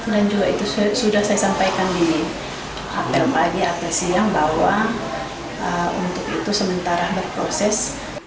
dan juga itu sudah saya sampaikan di hape pagi hape siang bahwa untuk itu sementara berproses